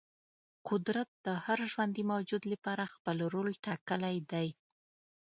قدرت د هر ژوندې موجود لپاره خپل رول ټاکلی دی.